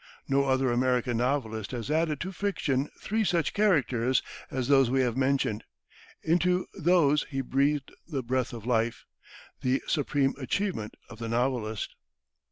No other American novelist has added to fiction three such characters as those we have mentioned; into those he breathed the breath of life the supreme achievement of the novelist.